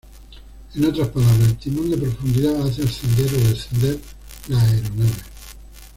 En otras palabras, el timón de profundidad hace ascender o descender la aeronave.